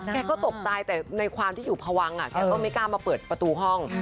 แกก็ตกใจแต่ในความที่อยู่พวังแกก็ไม่กล้ามาเปิดประตูห้อง